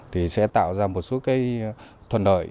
thì sẽ tạo ra một số thuận lợi